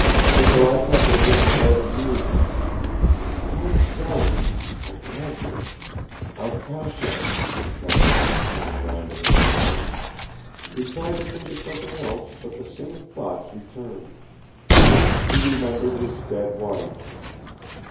Nikolai Petrovich started musing. "My son ... a graduate ... Arkasha ..." kept on turning round in his mind; he tried to think of something else, but the same thoughts returned. He remembered his dead wife.